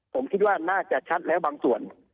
ผมคิดว่าน่าจะชัดแล้วบางส่วน